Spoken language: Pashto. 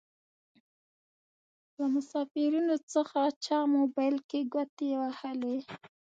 له مسافرينو څخه چا موبايل کې ګوتې وهلې.